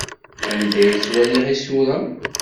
Anda ay ttwaliɣ isura?